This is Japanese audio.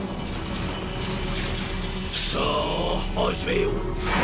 さぁ始めよう！